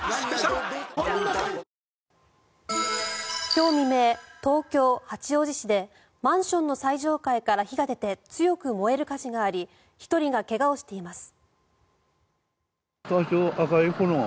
今日未明東京・八王子市でマンションの最上階から火が出て強く燃える火事があり１人が怪我をしています。